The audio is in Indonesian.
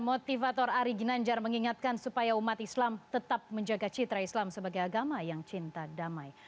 motivator ari ginanjar mengingatkan supaya umat islam tetap menjaga citra islam sebagai agama yang cinta damai